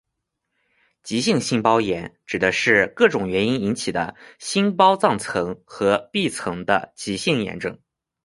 急性心包炎指的是各种原因引起的心包脏层和壁层的急性炎症。